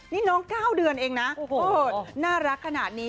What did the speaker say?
นี่น้อง๙เดือนเองนะน่ารักขนาดนี้